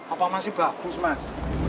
apa masih bagus mas